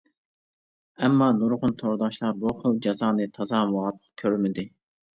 ئەمما نۇرغۇن تورداشلار بۇ خىل جازانى تازا مۇۋاپىق كۆرمىدى.